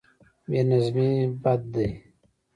بې نظمي بد دی.